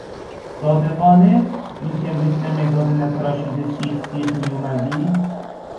صادقانه؟ اینکه مث مداد نتراشیده سیخ سیخ می اومدی